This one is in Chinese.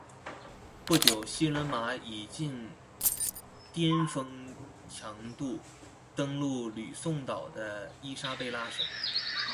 不久西马仑以近颠峰强度登陆吕宋岛的伊莎贝拉省。